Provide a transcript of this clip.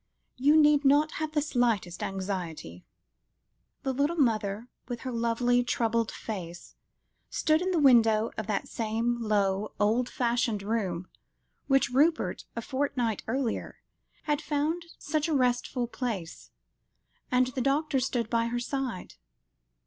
You need not have the slightest anxiety." The little mother, with her lovely, troubled face, stood in the window of that same low, old fashioned room, which Rupert, a fortnight earlier, had found such a restful place, and the doctor stood by her side.